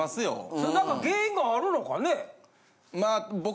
それなんか原因があるのかね？